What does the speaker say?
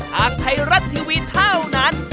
ทางไทยรัฐทีวีเท่านั้น